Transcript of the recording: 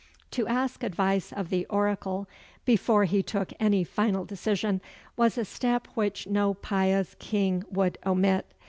To ask advice of the oracle, before he took any final decision, was a step which no pious king would omit.